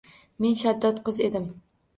Men shaddod qiz edim